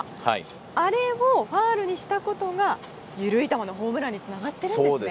あれをファウルにしたことが緩い球のホームランにつながっているんですね。